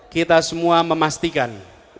kita semua memastikan